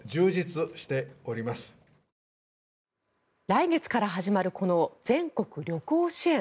来月から始まるこの全国旅行支援。